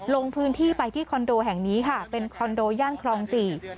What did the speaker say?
ลงพื้นที่ไปที่คอนโดแห่งนี้ค่ะเป็นคอนโดย่านคลองสี่